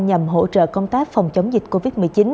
nhằm hỗ trợ công tác phòng chống dịch covid một mươi chín